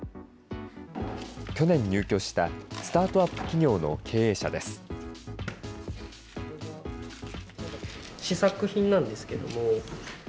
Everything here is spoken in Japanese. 去年入居したスタートアップ企業の経営者です。